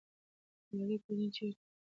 د ملالۍ کورنۍ چېرته وه؟